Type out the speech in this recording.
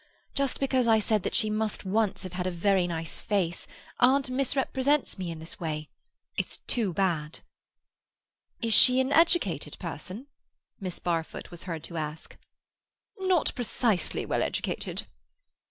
Just because I said that she must once have had a very nice face, aunt misrepresents me in this way—it's too bad." "Is she an educated person?" Miss Barfoot was heard to ask. "Not precisely well educated."